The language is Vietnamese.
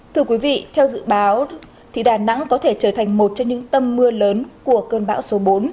thưa quý vị theo dự báo đà nẵng có thể trở thành một trong những tâm mưa lớn của cơn bão số bốn